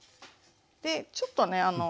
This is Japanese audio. でちょっとね